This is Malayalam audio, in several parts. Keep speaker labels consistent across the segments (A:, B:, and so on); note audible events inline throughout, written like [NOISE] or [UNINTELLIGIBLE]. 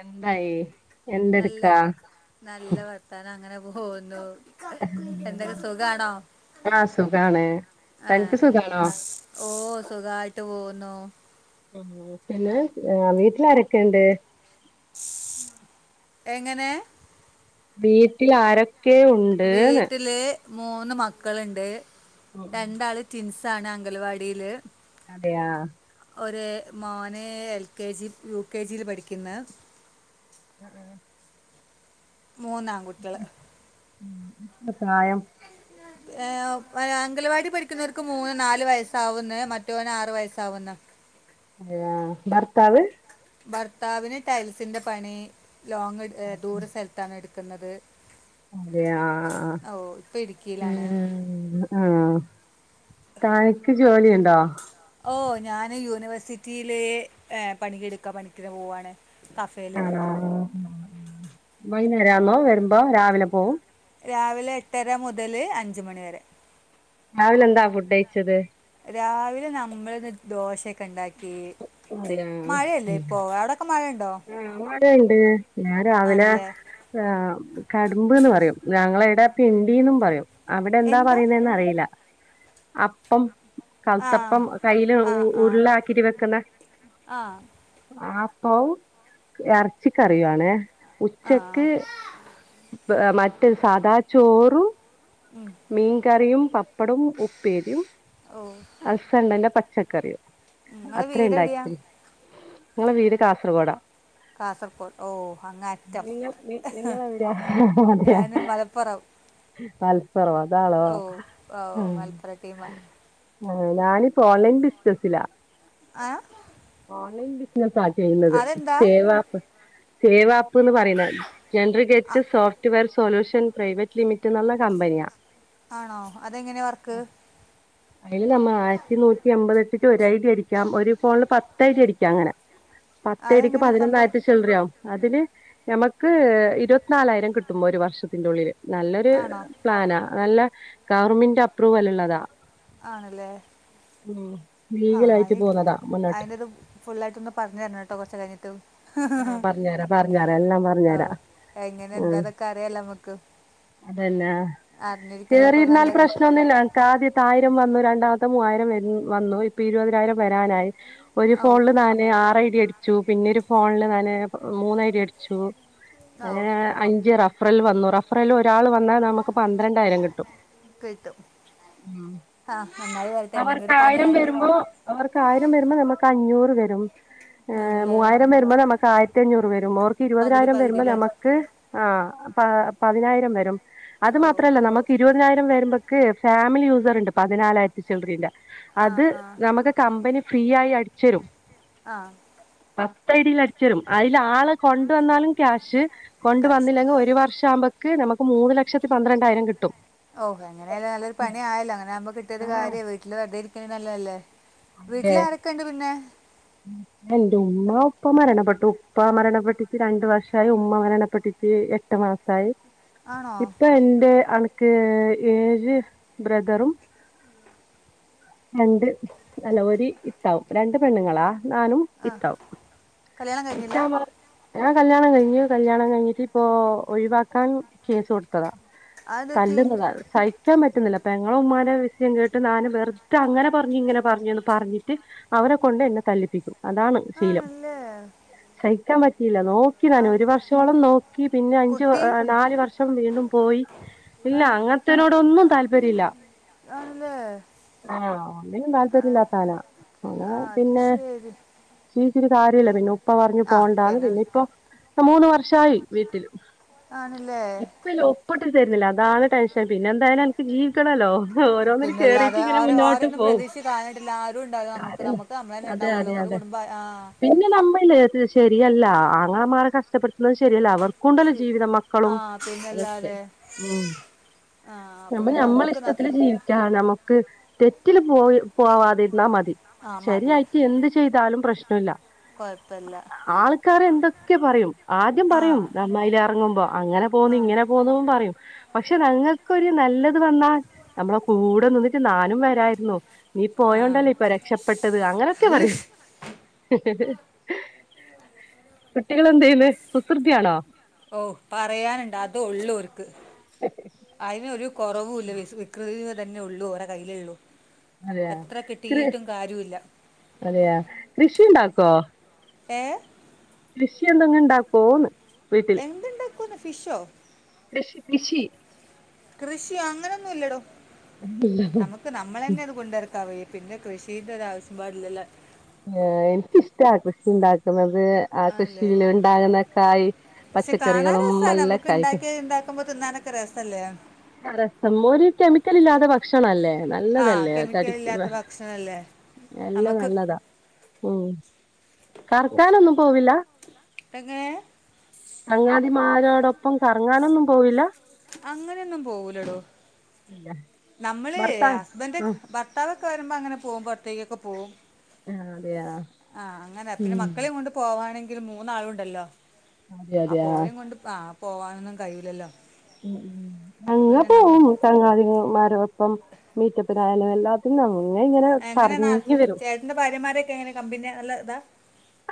A: എന്തായി
B: നല്ല
A: എന്തെടുക്കാ
B: നല്ല വർത്താനം അങ്ങനെ വന്ന് എന്തൊക്കെ സുഖണോ
A: ആ സുഖാണ് തനിക്ക്
B: ആഹ
A: സുഖാണോ
B: ഓ സുഖായിട്ട് പോ ന
A: ആ പിന്നെ വീട്ടില ആാരൊക്കെയുണ്ട്
B: എങ്ങനെ
A: വീട്ടിൽ ആരൊക്കെ ഒക്കെ ഉണ്ട്ന്ന
B: വീട്ടില് മൂന്ന് മക്കളുണ്ട് രണ്ടാള് ട്വിൻസ് ആണ് അംഗൽവാടിയില്
A: അതെയാ
B: ഒര് മോനെ L K G U K ജിയിൽ പഠിക്കുന്ന
A: ഉഹ ഉ
B: മൂന്നാംകുട്ടികള്
A: ഉ പ്രായം
B: ഏ അംഗലവാടി പഠിക്കുന്നവർക്ക് മൂന്ന് നാലു വയസ്സാവുന്ന മറ്റവന് ആറ് വയസ്സാവുന്ന്
A: അ ഭർത്താവ്
B: ഭർത്താവിന് ടൈൽസിന്റെ പണി ലോങ് ദൂര സ്ഥലത്താണ് എടുക്കുന്നത് നിക്കുന്നത്
A: അതെ ആ
B: ഇപ്പം
A: ആഹ
B: ഇടുക്കിയിലാണ്
A: തഴക്ക് ജോലിയ ഉണ്ടോ
B: ഓ ഞാൻ യൂണിവേഴ്സിറ്റിയില പണിടുക്കാം പണിക്കന് പോവവാണ് കഫേയില്
A: അനരാമോ വരുമ്പോ രാവിലെ പോകവും
B: രാവിലെ എട്ടര മുതൽ അഞ്ച് മണിവരെ
A: രാവിലെന്താ ഫുഡ് അയച്ചത്
B: രാവിലെ നമ്മള ഒന്ന് ദോശയൊക്കെ ഉണ്ടാക്കി
A: അതെയാ
B: മഴയല്ലേ ഇപ്പൊ എവിടൊക്കെ മഴ ഉണ്ടോ
A: ഇ ഉണ്ട് ഞാൻ രാവിലെ
B: ആണല്ലേ
A: ഹ കടുമ്പ്ന്ന് പറയും ഞങ്ങള എവിടാപ്പ പിണ്ടി പറയും അവിടെ എന്താ പറയുന്നന്ന് അറിയില്ല അപ്പം
B: ആ
A: കളുത്തപ്പം കയ്ൽ ഉ ഉരുളാക്കിട്ട വെക്കുന്ന
B: ആഹ
A: ആപ്പം ഇറച്ചി കറിയുവാണേ
B: ആ
A: ഉച്ചക്ക് മറ്റൊ സാദാ ചോറും
B: ഉം.
A: മീൻ കറിയും പപ്പടും ഉപ്പേരിയും അസണ്ടന്റെ പ ചെക്കറിയോ
B: നിങ്ങള് വീട് എവിടെയാ
A: നിങ്ങളെ വീട് കാസർഗോഡാ
B: കാസർഗോഡ് ഓ അങ്ങ അറ്റം
A: നിങ്ങ നി നിങ്ങ
B: ഞാനും മലപ്പുറം
A: അല് പർവതാ ആളോ
B: ഓ ഓ
A: ഉം
B: മലപ്പുറം ടീമാ
A: ആ ഞാനിപ്പോ ഓൺലൈൻ ബിസിനസിലാ
B: ആ
A: ഓലൈൻ ബിസിനസ് ആ ചെയ്യുന്നത്
B: അതെന്താ
A: സേവാ ആപ്പ് സേവാ ആപ്പ് പറയുന്നത് ജനറഗറ്റ്
B: അ-
A: software solution private limited എന്നുള്ള കമ്പനിയാ
B: ആണോ അതെങ്ങനെ വർക്ക്
A: അതില് നമ്മ ആയിരത്തി നൂറ്റി എമ്പത എട്ട് ഐഡി ആയിരിക്കാം ഒരു ഫോണില് പത്ത് തറ്റടരിക്കാം അങ്ങനെ പത്തടിക്ക്
B: അതെങ്ങനെ സംഭവം
A: പതിനൊന്നായിരട്ട ചെളറിയോ അതിന് നഞമ്മക്ക് ഇരുപത്തിനാലായിരം കിട്ടുമോ ഒരു വർഷത്തിന്റെറെ ഉള്ളില് നല്ലൊരു
B: ആണോ
A: പ്ലാനാ അല്ല ഗവർമെന്റ് അപ്രൂവൽ ഉള്ളതാ
B: ആണല്ലേ
A: ഉ ലീഗലായിട്ട് പോന്നതാ മുന്നോട്ട്
B: ഫുൾായിട്ടൊന്ന് പറഞ്ഞഞ് തരണം കേട്ടോ കുറ കഴിഞ്ഞിട്ട്
A: പറഞ്ഞു തരാം പറഞ്ഞു തരാം എല്ലാം പറഞ്ഞു
B: ഓ
A: തരാം
B: എങ്ങനെ
A: ഉം
B: എന്താതൊക്കെ അറിയാലോ നമുക്ക്
A: പിന്നാ
B: അറിഞ്ഞിരിക്കുന്നൊക്കെ ഒരു
A: കേറിയിരുന്നാൽ
B: നല്ല കാര്യം
A: പ്രശ്നം ഒന്നൂല്ല്യ എനിക്ക് ആദ്യത്തെ ആയിരം വന്ന് രണ്ടാമത്തെ മൂവായിരം വ വന്നു ഇപ്പൊ ഇരുപതിനായിരം വരാനായി ഒരു
B: ഓ
A: ഫോണില്താനെ ആറ് ഐ ഡി അടിക്ക ചൂ പിന്നെരു ഫോണില് ഞാന് മൂന്നായിഐടി അടിച്ചു
B: ഓ
A: ഏ അഞ്ച് റഫറൽ വന്ന മൂറഫറൽ ഒരാൾ വന്നാൽ നമുക്ക് പന്ത്രണ്ടായിരം കിട്ടും
B: കിട്ടും ആ നന്നായി വരട്ടെ എന്തെങ്കിലും ഒരു പണി
A: അവർക്കായിരം
B: ആയാലും
A: വരുമ്പോ അവർക്കായിരം വരുമ്പോ നമുക്ക് അഞ്ഞൂറ് വരും
B: ആണല്ലേ
A: മൂവായിരം വരുമ്പോ നമുക്ക് ആയിരത്തി അഞ്ഞൂറ് വരുമ്പോർക്ക്
B: പകുതി
A: ഇരുപതിനായിരം
B: പകുതി
A: വരുമ്പോ
B: അല്ലേ
A: നമുക്ക് ആ് പ പതിനായിരം വരും അത്
B: ഓ
A: മാത്രല്ല നമുക്ക് ഇരുപതിനായിരം വരുമ്പൊക്ക് ഫാമിലി യൂസർ ഉണ്ട് പതിനാലായിരത്തി ചിൽഡ്രറിന്റെ
B: ആ
A: അത്
B: ആ
A: നമുക്ക് കമ്പനി ഫ്രീ ആയി അടിച്ചരും
B: ആ
A: പത്ത് ഐ ഡിയിൽ അടിച്ചരും അതിൽ ആള്െ കൊണ്ട വന്നാലും ക്യാഷ് കൊണ്ട
B: കാശ്
A: വന്നില്ലെങ്കിൽ ഒരു വർഷം ആകുമ്പ നമുക്ക് മൂന്ന് ലക്ഷത്തി പന്ത്രണ്ടായിരം കിട്ടും
B: ഓഹ അങ്ങനെയല്ല നല്ലരു പണിയായാലോ അങ്ങനെകുമ്പോ കിട്ടിയ കാര്യ
A: ആഹ്
B: വീട്ടില് വെറുത ഒ നല്ലതല്ലേ വീട്ടിൽ ആരൊക്കെുണ്ട് പിന്നെ
A: ണ്ട് ഉമ്മ ഉപ്പ മരണപ്പെട്ടു ഉപ്പ മരണപ്പെട്ടിട്ട രണ്ടു വർഷമായി ഉമ്മ മരണപ്പെട്ടിട്ട എട്ട് മാസമായി
B: ആണോ
A: ഇപ്പൊ എന്റെ ആ ഏഴ് ബ്രദറും രണ്ട് അല്ല ഒരു ഇത്താവും രണ്ട് പെണ്ണുങ്ങളാ ാനും
B: ആ
A: ഇതാവും
B: കല്യാണം കഴിഞ്ഞില്ല
A: ഇഛാ മാ ഹ കല്യാണം കഴിഞ്ഞു കല്യാണം കഴിഞ്ഞിട്ട് ഇപ്പോ ഒഴിവാക്കാൻ കേസ് കൊടുത്തതാ
B: അത് പറ്റി
A: തല്ലുന്നതാ സഹിക്കാൻ പറ്റുന്നില്ല പെങ്ങളും ഉമ്മാനെ വിഷയം കേട്ട് ഞാന് വെറുതെ അങ്ങനെ പറഞ്ഞു ഇങ്ങനെ പറഞ്ഞുന്ന് പറഞ്ഞിട്ട് അവരെ കൊണ്ട് എന്നെ തല്ലിപ്പിക്കും അതാണ് ശീലം
B: ആണല്ലേ
A: സഹിക്കാൻ പറ്റിയില്ല നോക്കി
B: ആ
A: ഞാന് ഒരു വർഷോളം നോക്കി പിന്നെ അഞ്ച്
B: കുട്ടി
A: നാല് വർഷ വീണ്ടും പോയി ഇല്ല
B: ആ
A: അങ്ങത്തനോട് ഒന്നും താല്പര്യ ഇല്ല
B: ആണല്ലേ
A: ആ ഒന്നിനും
B: ആ
A: താല്പര്യല്ലാത്ത ആളാ
B: അത് ശരി
A: ജീവിച്ചിട്ട് കാര്യല്ല പിന്നെ ഇപ്പ പറഞ്ഞു പോണ്ടാണ് പിന്നെ ഇപ്പൊ മൂന്ന് വർഷമായി വീട്ടില്
B: ആണല്ലേ
A: ഇപ്പല്ലെ ഒപ്പ് ഇട്ടും തരുന്നില്ല താണ് ടെൻഷൻ പിന്നെ എന്തായാലും അൻക്ക് ജീവിക്കണല്ലോ ഓരോന്നിന് കേറിയിട്ട്
B: പിന്നെല്ലാതെ
A: ഇങ്ങനെ
B: ആര്
A: മുന്നോട്ട്
B: ഓരൊന്നും
A: പോ
B: പ്രതീക്ഷിച്ച് കാര്യണ്ട ആരും ണ്ടാവൂല നമ്മക്ക്
A: കാര്യല്ല
B: നമ്മക്ക് നമ്മളെന്നെ
A: അതെ
B: ണ്ടാവൊള്ളൂ ഓലെ കുടുംബ ആ
A: ത് ശെരിയല്ല ആങ്ങളമാരെ കഷ്ടപ്പെടുത്തുന്നത് ശെരിയല്ല അവർ ക്കുണ്ടുല്ല
B: ശരി.
A: ജീവിതം
B: ആ
A: മക്കളും അതൊക്കെ
B: പിന്നല്ലാതെ
A: ഉം
B: ആ അപ്പൊ
A: നമ്മള്
B: പിന്നെ
A: നമ്മളെ
B: നമുക്ക് ന-
A: ഇഷ്ടത്തില് ജീവിക്ക നമുക്ക് തെറ്റില് പോയി പോവാതിരുന്നാ മതി തി
B: ആ മതി
A: ശെരിയായിട്ട് എന്ത് ചെയ്താലും പ്രശ്ന ഷ്ടുല്ല
B: കുഴപ്പമില്ല
A: ആൾക്കാരെന്തൊ ക്കെ പറയും ആദ്യം
B: ആ
A: പറയും നമ്മെ അയ്ലെറങ്ങുമ്പോ അങ്ങനെ പോന്നു
B: ആ
A: ഇങ്ങനെ പോന്നുന്നും പറയും പക്ഷെ ഞങ്ങക്കൊരു നല്ലത് വന്നാ നമ്മളെ കൂടെ നിന്നിട്ട് നാനും വെരാര്ന്നു നീ
B: ആ
A: പോയോണ്ടല്ലേ ഇപ്പൊ രക്ഷപ്പെട്ടത് അങ്ങനൊക്കെ പറയും
B: ഹ്ഷ്.
A: കുട്ടികളെന്തെയ്യ്ന്ന് കുസൃതിയാണോ
B: ഓ പറയാന്ണ്ടോ അത് ഒള്ളൂ ഓ ക്ക്‌ അയ്നൊരു കൊറവൂല്ല വിസ് വികൃതിയ തന്നെ ഉള്ളൂ ഓലെ കയ്യിലുള്ളൂ
A: അതെയ
B: എത്ര
A: കൃ
B: കിട്ടിയിട്ടും കാര്യമില്ല
A: അതെയ കൃഷി ഉണ്ടാക്ക ആ
B: ഏഹ്
A: വിഷ്യം എന്തെങ്ങ് ഇണ്ടാക്കോന്ന്
B: എന്ത്ണ്ട് ക്കുന്നു ഫിഷോ
A: കൃഷി കൃഷി
B: കൃഷിയ അങ്ങനൊന്നും ഇല്ലടോ നമുക്ക് നമ്മൾ തന്നെ അത് കൊണ്ടരക്ക കവയെ പിന്നെ കൃഷിന്റെ ഒരു ആവശ്യം പാടില്ലല്ല
A: ആ എനിക്കിഷ്ട ആകൃഷി ഉണ്ടാക്ക അ ആ
B: ആണല്ലേ
A: കൃഷിൽ ഉണ്ടാകുന്ന കായ്
B: പക്ഷെ കാണാൻ
A: പച്ചക്കറികളും
B: രസമാണ്
A: എല്ലാം
B: നമുക്ക്
A: കായസ
B: ഉണ്ടാക്കി ഉണ്ടാക്കുമ്പോൾ തിന്നാനൊക്കെ രസമല്ലേ
A: ഇക്കലില്ലാതെ ഭക്ഷണമല്ലേ
B: ആ
A: നല്ലതല്ലേ
B: കെമിക്കൽ
A: തടിക്ക
B: ഇല്ലാത്ത ഭക്ഷണമല്ലേ
A: നല്ല
B: നമുക്ക്
A: നല്ലതാ ഉം കർക്കാനൊന്നും പോവില്ല
B: എങ്ങനെ
A: കറങ്ങാതിമാരോടൊപ്പം കറങ്ങാനൊന്നും പോയിില്ല
B: അങ്ങനെയൊന്നും പോകലടോ
A: ഇല്ല
B: നമ്മള്
A: ഭർത്താവ്
B: ഹസ്ബൻന്റെ
A: ആ
B: ഭർത്താവ ക്കെ വരുമ്പോ അങ്ങനെ പോക്പ പുറത്തേക്കെ പോകവും
A: ആഹ
B: ആഹ് അങ്ങനെ പിന്നെ മക്കളെയ കൊണ്ട് പോവാണെങ്കിൽ എ ഒരു മൂന്നാളുണ്ടല്ലോ
A: അതെ
B: അ
A: അതെ ആ
B: പോരും കൊണ്ട് ആ പോകാനൊന്നും കഴിയില്ലല്ലോ അപ്പോൾ
A: അങ്ങ
B: പിന്നെ നമ്മൾ
A: പോകും ചങ്ങാതിമാരോ ഒപ്പം മീറ്റപ്പനായാലും എല്ലാത്തിും തങ്ങും
B: എങ്ങനെയെന്നാ ചേട്ടന്റെ ഭാര്യമാരൊക്കെ എങ്ങനെ കമ്പിന നല്ല ന്ത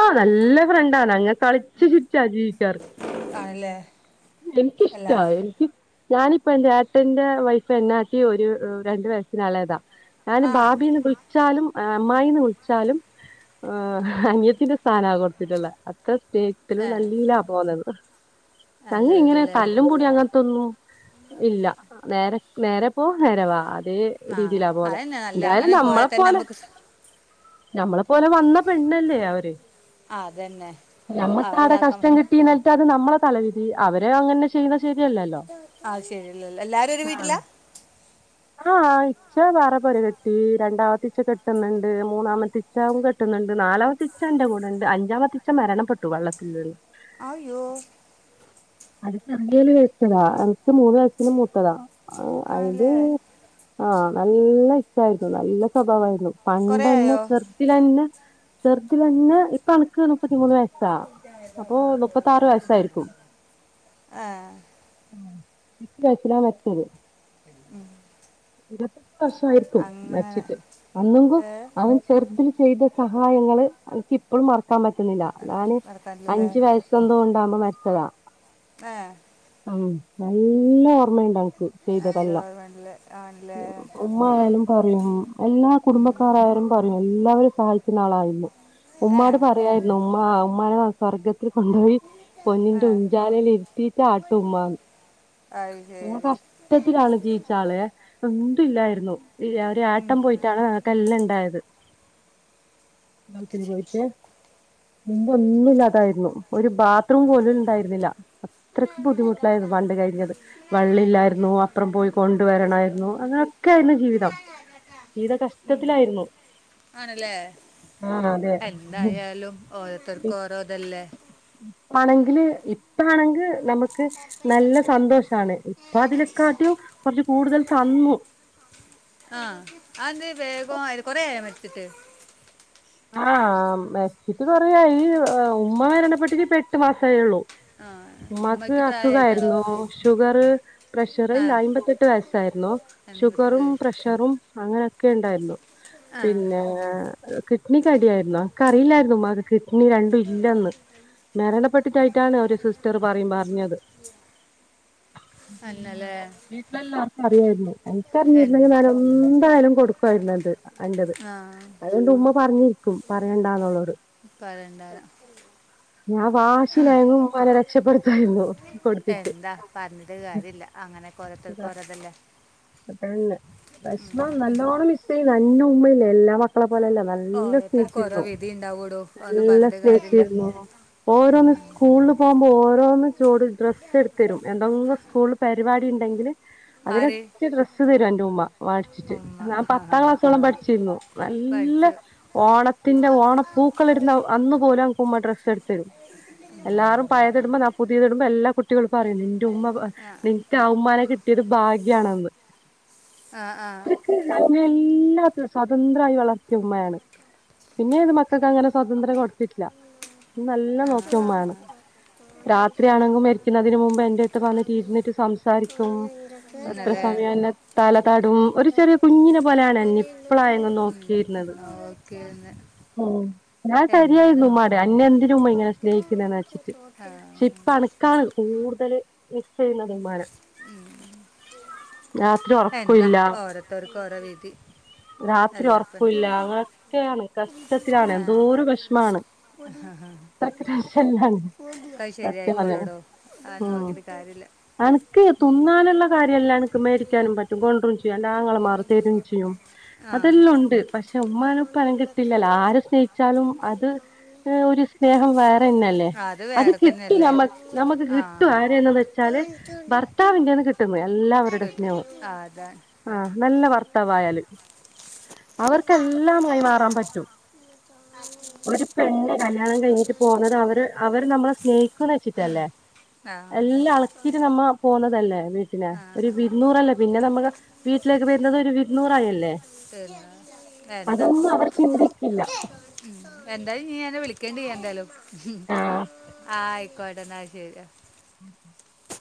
A: ആഹ് നല്ല ഫ്രണ്ടാണ് അങ്ങ് കളിച്ച്
B: ആണല്ലേ അല്ല
A: എനിക്കിഷ്ട എനിക്ക് ഞാനി ഇപ്പൊ എന്റെട്ടന്റെ വൈഫ് എന്നാട്ടി ഒരു രണ്ടു വയസ്സസിന് എളേതാ ഞാന്
B: ആ
A: ബാബീന്ന് വിളിച്ചാലും ആ അമ്മായിന്ന് വിളിച്ചാലും ആ ഹ് അനിയത്തിന്റെ സ്ഥാനാ കൊടുത്തിട്ടുള്ളെ അത്ര-
B: ഏ
A: പ്രത്യത്തിലും നല്ല പോകുന്നത്
B: നല്ല
A: ഞങ്ങഇങ്ങനെ
B: ഇതല്ലേ
A: തല്ലും പിടിം അങ്ങനെത്തെ ഒന്നും ഇല്ല നേരെ നേരെ പോ നേരവാ അ അതേ
B: ആ
A: രീതിയിലാ പോന്നെ
B: അതന്നെ നല്ല
A: എന്തായാലും
B: അങ്ങനെ പോയാൽ തന്നെ
A: നമ്മളെപ്പോലെ
B: നമുക്ക് സ്-
A: ഞമ്മളെ പോലെ വന്ന പെണ്ണല്ലേ അവര്
B: ആ അതന്നെ
A: നമ്മക്ക്
B: അവരെ
A: ആടെ
B: ഇതാക്കാം
A: കഷ്ടം കിട്ടീ ന്നട്ട് അത് നമ്മളെ തലവി - ധി അവരെ അങ്ങനെ ചെയ്യുന്ന
B: ആഹ് ശരിയല്ലല്ല എല്ലാരും ഒരു വീട്ടിലാ
A: ആഹ ഇച്ച വേറെ പൊര കെട്ടി രണ്ടാമത്തി ഇച്ച കെട്ടുന്നുണ്ട് മൂന്നാമത്തെ ഇച്ച കെട്ടുന്നുണ്ട് നാലാമത്തെ ഇച്ച എന്റെ കൂടെ ഉണ്ട് അഞ്ചാമത്തെ ഇച്ച മരണപ്പെട്ടു വെള്ളത്തിൽന്ന്
B: അയ്യോ
A: അത്ചെറിയൊല് വെച്ചതാ ന്റെ മൂന്നാഴ്ച്ച മൂത്തതാ അയില്
B: ആണല്ലേ
A: ആ നല്ല ഇച്ചായിരുന്നു നല്ല സ്വഭാവമായിരുന്നു
B: കുറേ
A: പണ്ടന്നെ
B: ആയോ
A: ചെർതിലന്നെ ചെർതിലെന്നെ ഇപ്പൊ എണക്ക് മുപ്പത്തിമൂന്ന് വയസ് വയസ്സായിരിക്കും
B: ആ
A: എട്ട് വയസ്സിലാ മര്ച്ചത്
B: ഉം
A: [UNINTELLIGIBLE] വർഷായിരിക്കും
B: അങ്ങനെ
A: മരിച്ചിട്ട് അന്നെങ്കും
B: ഏ
A: അവൻ ചെറുതില് ചെയ്ത സഹായങ്ങള് എനിക്കിപ്പളും മറ- ക്കാൻ പറ്റുന്നില്ല ഞാന്
B: നടക്കാനില്ലല്ലേ
A: അഞ്ചു വയസ്സെന്തോ ഉണ്ടാകുമ്പോ മരിച്ചതാ
B: ആ
A: ഉം നല്ല ഓർമ്മയുണ്ടാവും
B: നല്ല ഓർമണ്ടല്ലേ
A: ഉമ്മ ആയാലും പറയും എല്ലാ കുടുംബക്കാരായാലും പറയും എല്ലാവരും സഹായിക്കുന്ന ആളായിരുന്നു
B: ഏ
A: ഉമ്മാട് പറയായിരുന്നു ഉമ്മാ ഉമ്മാനെ സ്വർഗ ത്തിൽ കൊണ്ടോയി
B: ആ
A: പൊന്നിന്റെ ഉഞ്ചാലയിൽ ഇരുത്തീട്ട് ആട്ട്
B: അത്
A: ഉമ്മാന്ന്
B: ശരി
A: കഷ്ടത്തിലാണ് ജീവിച്ചാളെ എന്തും ഇല്ലായിരുന്നു ഒരു ഏട്ടൻ പോയിട്ടാണ് നങ്ങക്ക് എല്ലാം ഉണ്ടായത് നൗത്തിരി പോയിട്ട് മുമ്പ് ഒന്നുമല്ലാതായിരുന്നു ഒരു ബാത്റൂം പോലും ഇണ്ടായിരുന്നില്ല അത്രക്ക് ബുദ്ധിമുട്ടിലായിരുന്നു പണ്ട് കഴിഞ്ഞത് വെള്ളല്ലായിരുന്നു അപ്പറം പോയി കൊണ്ടുവരണായിരുന്നു
B: ഉം.
A: അങ്ങനെയൊക്കെ ആയിരുന്നു ജീവിതം ജീവിതം
B: ഉം.
A: കഷ്ടത്തിലായിരുന്നു
B: ആണല്ലേ
A: ആ അതെ
B: ഓരോത്തർക്ക് ഓരോതല്ലേ
A: ഇപ്പളാണെങ്ക് നമുക്ക് നല്ല സന്തോഷാണ് ഇപ്പൊ അതിനെകാട്ടിം കുറച്ച് കൂടുതൽ തന്നു
B: ആ അത് എന്ത് വേഗം കുറേ ആയ ട്ട്
A: ആ ഇത് കൊറയായി ഉമ്മ മരണപ്പെട്ടിട്ട് ഇപ്പ എട്ട് മാസെ ആയുള്ളൂ
B: ആ
A: ഉമ്മക്ക്
B: ഉമ്മയ്ക്ക് പ്രായമായിട്ടാണോ
A: അസുഖായിരുന്നോ ഷുഗർ
B: ആ
A: പ്രഷറിൽ അയിമ്പത്തെട്ട് വയസ്സായിരുന്നോ
B: എൺപത്തെട്ട്
A: ഷുഗറും
B: വയസ്സ്
A: പ്രഷറും അങ്ങനെ ഒക്കെ ഉണ്ടായിരുന്നു
B: ആ
A: പിന്നെ കടിയായിരുന്നോ കറിയില്ലായിരുന്നു ഉമ്മാക് കിഡ് ഇനി രണ്ടും ഇല്ലന്ന് മരണപ്പെട്ടിട്ടായിട്ടാണ് ഒരു സിസ്റ്റർ പറയും പറഞ്ഞത്
B: എന്നല്ലേ
A: വീട്ടിലല്ല അറിയായിരുന്നു എനിക്കറിഞ്ഞിരുന്നെങ്കിൽ
B: എന്താ
A: ഞാൻ എന്തായാലും കൊടുക്കുമായിരുന്നു അത് അന്റെത്
B: ആ
A: അതുകൊണ്ട് ഉമ്മ പറഞ്ഞിരിക്കും പറയെണ്ടാന്നുള്ളത്
B: പറയണ്ട
A: ഞാൻ വാശിലായങ്ങും ഉമ്മാനെ രക്ഷപ്പെടുത്തി [INAUDIBLE]
B: എന്താ പറഞ്ഞിട്ട് കാര്യ ഇല്ല അങ്ങനെ ഓരോത്തർക്ക് ഓരോതല്ലേ
A: അപ്പഴല്ലേ ഭക്ഷണം നല്ലോണം അന്ന ഉമ്മല്ലേ എല്ലാ മക്കളും ലല്ല നല്ല
B: ഓരോരുത്തർക്ക് ഓരോ
A: സ്നേഹിച്ചിരുന്നു
B: വിധി ഉണ്ടാവൂടോ ഒന്നും
A: നല്ല
B: പറഞ്ഞിട്ട് കാര്യമില്ല
A: സ്നേഹിച്ചിരുന്നു
B: ഉം.
A: ഓരോന്ന് സ്കൂളിൽ പോകുമ്പോ ഓരോ [UNINTELLIGIBLE] ജോഡി ഡ്രസ്സ് എടുത്ത് തരും എന്തെങ്കിലും സ്കൂളിൽ പരിപാടി ഉണ്ടെങ്കിൽ
B: ആര്
A: ഡ്രസ്സ് തരും എന്റെ ഉമ്മ വായിിച്ചിട്ട്
B: ഉമ്മ
A: ഞാൻ പത്താം ക്ലാസ്സോളം പഠിച്ചിരുന്നു നല്ല
B: പഠിച്ചു
A: ഓണത്തിന്റെ ഓണപ്പൂക്കൾ ഇരുന്ന അന്ന പോലും എനക്ക് ഉമ്മ ഡ്രസ്സ് എടുത്ത തരും എല്ലാരും പയത്തിടുമ്പോ പുതിയതി ഇടുമ്പോ എല്ലാ കുട്ടികളും പറയുന്നു
B: ആ
A: നിങ്ങക്ക് അവ്മാന കിട്ട ഇരു ഭാഗ ണന്ന്
B: ആ ആ
A: [UNINTELLIGIBLE] എല്ലാും സ്വതന്ത്രമായി വളർത്തിയ ഉമ്മയാണ് പിന്നെ ഇത് മക്കൾക്ക് അങ്ങനെ സ്വതന്ത്രം കൊടുത്തിട്ടില്ല നല്ല
B: ആ
A: നോക്കിയ
B: ആ
A: ഉമ്മയാണ് രാത്രിയാണെങ്കും മരിക്കുന്നതിന് മുമ്പ് എൻന്റെ അടുത്ത് വന്നിട്ട് ഇരുന്നിട്ട് സംസാരിക്കും അത്ര
B: ഇന്നലെ
A: സമയല്ല തലതാടും ഒരു ചെറിയ കുഞ്ഞിനെ പോലെയാണ് എന്നെ ഇപ്പള ആ എങ്ങ് നോക്കിയിരുന്നത്
B: ഓക്കെ ഒന്ന്
A: ഉ ഞാൻ
B: എന്താണ്
A: ശരിയായിരുന്നു മടെ അന്നെ എന് ഇങ്ങനെ സ്നേഹിക്കുന്നന്ന് വെച്ചിട്ട്
B: ആ.
A: പക്ഷെ ഇപ്പ അണക്കാണ് കൂടുതല് മിസ് ചെയ്യുന്നമാന രാത്രി ഉറക്കില്ല
B: കൂറോവിധി
A: രാത്രി ഉറക്കൂില്ല അങ്ങനൊക്കെയാണ് കഷ്ടത്തിലാണ്
B: ആ
A: എന്തോര വിഷമമാണ് അത്രശ
B: അത്
A: സത്യ
B: ശരിയായിക്കോളൂടോ ആ
A: ഉ
B: നോക്കിയിട്ട് കാര്യമില്ല
A: എനിക്ക് തിുന്നാലുള്ള കാര്യമല്ലാം എനിക്ക് മേരിക്കാനും പറ്റ കൊണ്ടും ചെയ്യും ാങ്ങൾ മാർ തെരു ചെയ്യും
B: ആ
A: അതെല്ലാം ഉണ്ട് പക്ഷെ ഉമ്മാനൊ പന കിട്ടില്ലല്ലോ ആര് സ്നേഹിച്ചാലും അത് ഒരു സ്നേഹം വേറെന്നെല്ലേ അത്
B: വേറെ
A: കിട്ടും
B: തന്നെയല്ലേ
A: നമ്മ നമുക്ക്
B: ആ
A: കിട്ടും ആരെന്നന്ന് വെച്ചാല് ഭർത്താവിന്റെന്ന് കിട്ടും തേ എല്ലാവരുടെ
B: കിട്ടും
A: സ്നേവും
B: ആ, അതാണ്
A: ആ നല്ലവർ തായല് അവർക്കെല്ലാമായി മാറാൻ പറ്റും ഒരു പെണ്െ കല്യാണം കഴിഞ്ഞിട്ട് പോുന്നത് അവര് അവര് നമ്മളെ സ്നേഹിക്കന്ന് വെച്ചിട്ടല്ലേ
B: ആ
A: എല്ലാം അളക്കിട്ട് നമ്മ പോന്നതല്ലേ വീട്ടിനെ
B: ആ
A: ഒരു
B: ആ.
A: വിരുന്നൂറല്ലേ പിന്നെ നമ്മുക്ക് വീട്ടിലേക്ക് വരുന്നത് ഒരു വിരുന്നൂറായില്ലേ
B: പിന്ന എന്താ
A: അവർ ചിന്തിക്കില്ല
B: എന്തായും നീെ വിള നക്കേണ്ടി എന്തായാലും
A: ആഹ്
B: ആയി കടനാ ശരി
A: ഉ